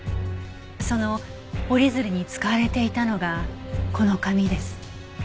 その折り鶴に使われていたのがこの紙です。